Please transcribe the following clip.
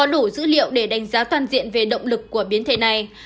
để đánh giá toàn diện về động lực của biến thể này